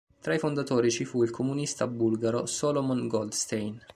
Tra i fondatori ci fu il comunista bulgaro Solomon Goldstein.